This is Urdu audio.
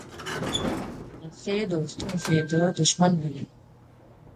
ایسے دوستو سے تو دشمن بھلے